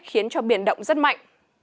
khiến đất nước cao